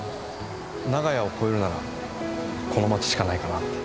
長屋を超えるならこの街しかないかなって。